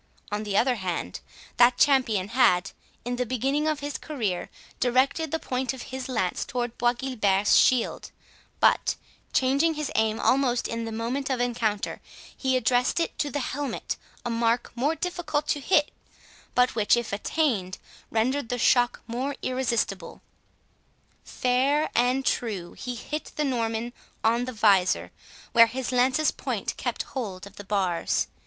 On the other hand, that champion had, in the beginning of his career, directed the point of his lance towards Bois Guilbert's shield, but, changing his aim almost in the moment of encounter, he addressed it to the helmet, a mark more difficult to hit, but which, if attained, rendered the shock more irresistible. Fair and true he hit the Norman on the visor, where his lance's point kept hold of the bars.